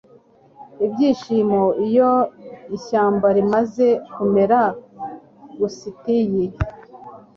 ibyishimo iyo ishyamba rimaze kumera; gusty